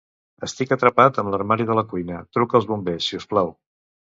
Estic atrapat amb l'armari de la cuina; truca els bombers, si us plau.